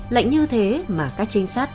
lệnh như thế mà các trinh sát